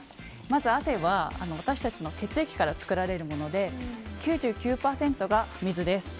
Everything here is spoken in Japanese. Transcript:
まず汗は私たちの血液から作られるもので９９％が水です。